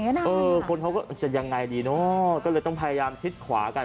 เออคนเขาก็จะยังไงดีเนอะก็เลยต้องพยายามชิดขวากัน